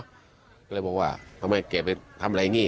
ก็เลยบอกว่าทำไมเกลียดไปทำอะไรอย่างนี้